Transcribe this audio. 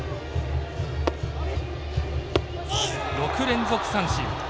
６連続三振。